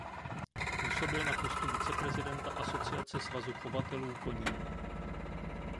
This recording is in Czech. Působil na postu viceprezidenta Asociace svazu chovatelů koní.